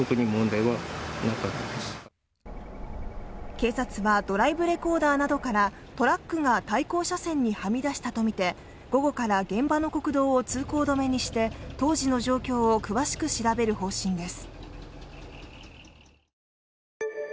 警察はドライブレコーダーなどからトラックが対向車線にはみ出したとみて午後から現場の国道を通行止めにして、当時の状況を詳しく調べる方針です。